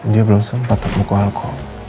dia belum sempat terpukul aku